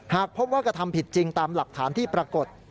หากพบว่ากระทำผิดจริงตามหลักฐานที่ปรากฏ